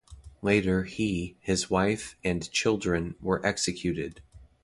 Later he, his wife and children were executed.